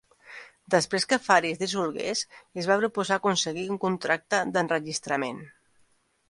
Després que Fari es dissolgués, es va proposar aconseguir un contracte d'enregistrament.